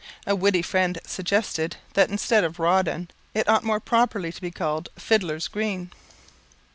A witty friend suggested, that instead of Rawdon, it ought more properly to be called "Fidlar's Green."